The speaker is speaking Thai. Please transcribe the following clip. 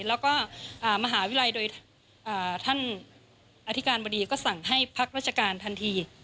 แล้วก็มหาวิทยาลัยโดยท่านอธิการบดีก็สั่งให้พักราชการทันที